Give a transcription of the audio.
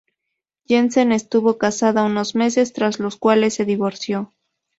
Jensen estuvo casada unos meses, tras los cuales se divorció.